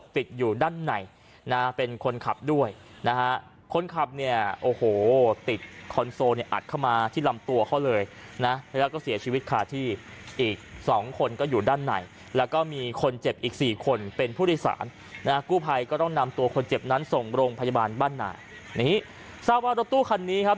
ติดอยู่ด้านในนะเป็นคนขับด้วยนะฮะคนขับเนี่ยโอ้โหติดคอนโซลเนี่ยอัดเข้ามาที่ลำตัวเขาเลยนะแล้วก็เสียชีวิตค่ะที่อีกสองคนก็อยู่ด้านในแล้วก็มีคนเจ็บอีกสี่คนเป็นผู้โดยสารนะฮะกู้ภัยก็ต้องนำตัวคนเจ็บนั้นส่งโรงพยาบาลบ้านหนานี่ทราบว่ารถตู้คันนี้ครับ